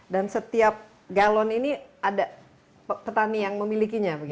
dan setiap galon ini ada petani yang memilikinya begitu